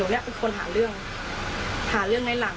ที่คุณก็ได้จบ